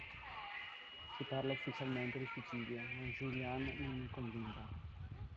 Si parla ufficialmente di suicidio, ma Julianne non è convinta.